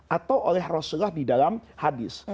atau oleh rasulullah di dalam hadis